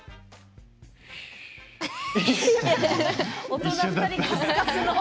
大人２人が。